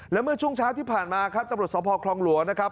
และเมื่อช่วงเช้าที่ผ่านมาครับตำรวจสภคลองหลวงนะครับ